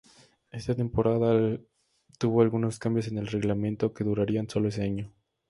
Esta temporada tuvo algunos cambios en el reglamento que durarían sólo ese año.